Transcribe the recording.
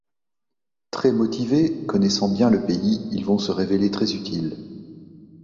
Très motivés, connaissant bien le pays, ils vont se révéler très utiles.